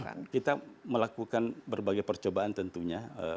jadi kita melakukan berbagai percobaan tentunya